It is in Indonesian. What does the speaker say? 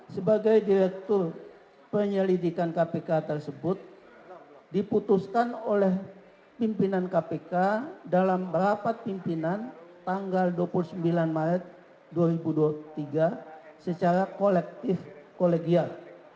sebagai direktur penyelidikan kpk tersebut diputuskan oleh pimpinan kpk dalam rapat pimpinan tanggal dua puluh sembilan maret dua ribu dua puluh tiga secara kolektif kolegial